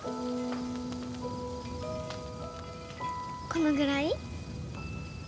このぐらい？